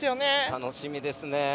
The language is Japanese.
楽しみですね。